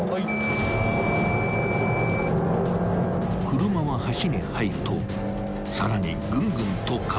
［車は橋に入るとさらにぐんぐんと加速］